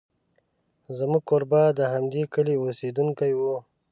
زموږ کوربه د همدې کلي اوسېدونکی و.